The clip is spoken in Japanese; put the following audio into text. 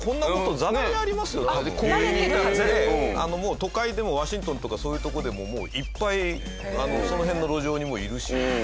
都会でもワシントンとかそういうとこでもいっぱいその辺の路上にもいるし木があれば。